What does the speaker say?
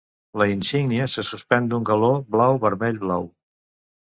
La insígnia se suspèn d'un galó blau–vermell–blau.